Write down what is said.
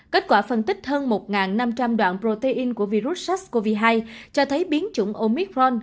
kết quả phân tích hơn một năm trăm linh đoạn protein của virus sars cov hai cho thấy biến chủng omic ron